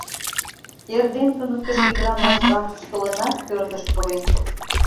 Эрден туныктышо ӱдырамаш вакшыш толынат, пӧртыш пурен.